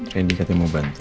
ren dikatakan mau bantu